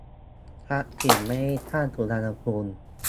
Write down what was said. ทักษิณไม่ได้สร้างสุวรรณภูมิ